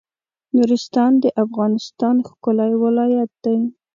نورستان د افغانستان ښکلی ولایت دی